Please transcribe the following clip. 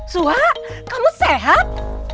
suha kamu sehat